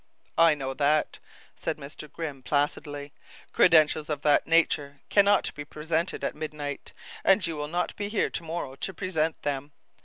"I know that," said Mr. Grimm placidly. "Credentials of that nature can not be presented at midnight, and you will not be here to morrow to present them.